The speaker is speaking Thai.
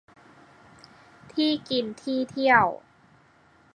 ที่กินที่เที่ยว